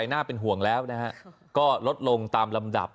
น่าเป็นห่วงแล้วนะฮะก็ลดลงตามลำดับ